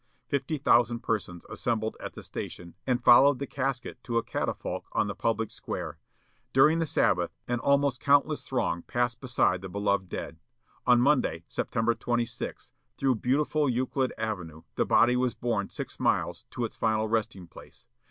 Fifty thousand persons assembled at the station, and followed the casket to a catafalque on the public square. During the Sabbath, an almost countless throng passed beside the beloved dead. On Monday, September 26, through beautiful Euclid Avenue, the body was borne six miles, to its final resting place.